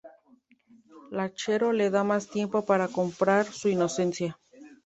Lechero le da más tiempo para comprobar su inocencia.